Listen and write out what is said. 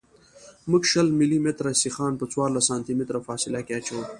موږ شل ملي متره سیخان په څوارلس سانتي متره فاصله کې اچوو